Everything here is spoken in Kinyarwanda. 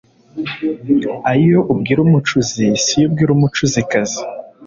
Ayo ubwira umucuzi si yo ubwira umucuzikazi.